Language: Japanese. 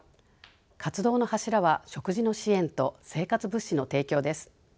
活動の柱は食事の支援と生活物資の提供です。